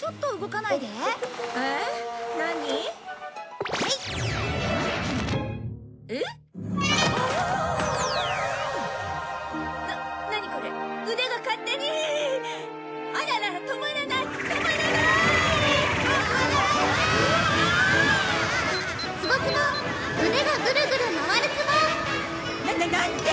なななんで！？